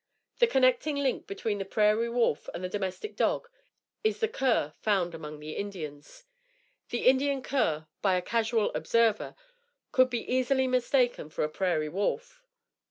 The connecting link between the prairie wolf and the domestic dog is the cur found among the Indians. The Indian cur, by a casual observer, could be easily mistaken for a prairie wolf.